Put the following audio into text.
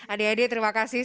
adik adik terima kasih